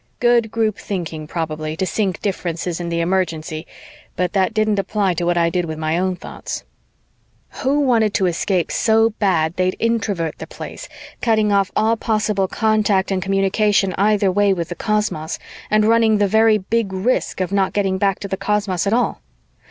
Good group thinking probably, to sink differences in the emergency, but that didn't apply to what I did with my own thoughts. Who wanted to escape so bad they'd Introvert the Place, cutting off all possible contact and communication either way with the cosmos and running the very big risk of not getting back to the cosmos at all?